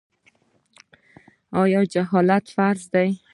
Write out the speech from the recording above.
آیا جهاد فرض دی؟